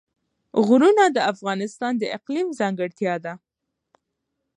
غرونه د افغانستان د اقلیم ځانګړتیا ده.